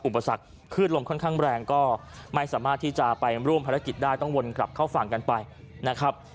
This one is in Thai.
อุปสรรคขึ้นลมค่อนข้างแรงก็ไม่สามารถที่จะไปร่วมภารกิจได้ต้องวนกลับเข้าฝั่งกันไปนะครับ